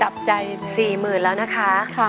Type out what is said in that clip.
๔๐๐๐๐บาทแล้วนะคะ